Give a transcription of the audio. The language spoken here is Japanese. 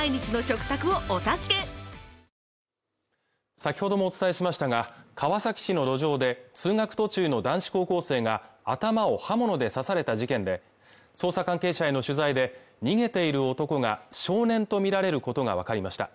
先ほどもお伝えしましたが川崎市の路上で通学途中の男子高校生が頭を刃物で刺された事件で捜査関係者への取材で逃げている男が少年と見られることが分かりました